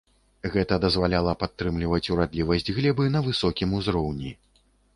Гэта дазваляла падтрымліваць урадлівасць глебы на высокім узроўні.